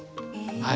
はい。